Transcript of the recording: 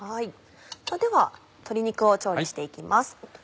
では鶏肉を調理していきます。